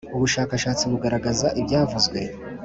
Ubushakashatsi bugaragaza ibyavuzwe